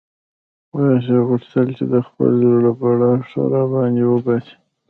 اوس یې غوښتل چې د خپل زړه بړاس ښه را باندې وباسي.